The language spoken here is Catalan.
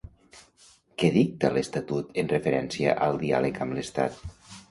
Què dicta l'Estatut en referència al diàleg amb l'Estat?